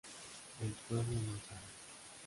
El pueblo no sabe.